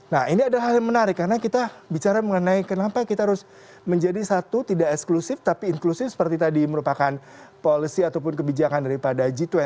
nah ini adalah hal yang menarik karena kita bicara mengenai kenapa kita harus menjadi satu tidak eksklusif tapi inklusif seperti tadi merupakan policy ataupun kebijakan daripada g dua puluh